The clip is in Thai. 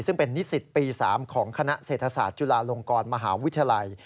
ซึ่งเป็นนิสิตปี๓ของคณะเศรษฐศาสตร์จุฬาลงกรมหาวิทยาลัย